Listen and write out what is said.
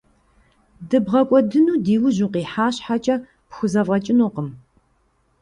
ДыбгъэкӀуэдыну ди ужь укъыхьа щхькӀэ пхузэфӏэкӏынукъым.